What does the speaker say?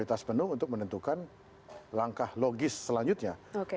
kita harus penuh untuk menentukan langkah logis selanjutnya